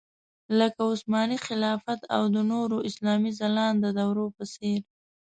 لکه عثماني خلافت او د نورو اسلامي ځلانده دورو په څېر.